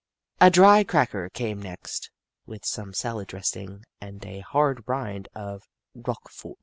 A dry cracker came next, with some salad dressing and a hard rind of Roquefort.